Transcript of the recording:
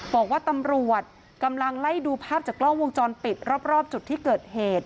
บอกว่าตำรวจกำลังไล่ดูภาพจากกล้องวงจรปิดรอบจุดที่เกิดเหตุ